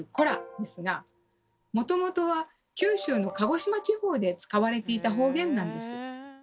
ですがもともとは九州の鹿児島地方で使われていた方言なんです。